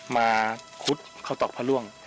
มาขุดเข้าต่อพระร่วง